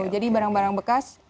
jadi barang barang bekas